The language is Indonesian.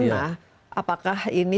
nah apakah ini